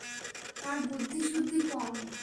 তার বুদ্ধি-সুদ্ধি কম।